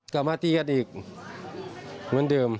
กลับมาตีกันอีกเหมือนเดิม